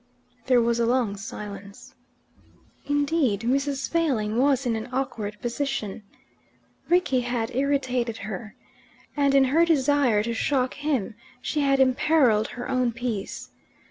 There was a long silence. Indeed, Mrs. Failing was in an awkward position. Rickie had irritated her, and, in her desire to shock him, she had imperilled her own peace.